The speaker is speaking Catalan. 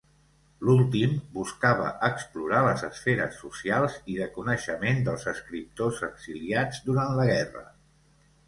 L'últim buscava explorar les esferes socials i de coneixement dels escriptors exiliats durant la guerra.